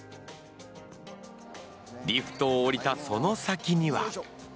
リフトを降りたその先には。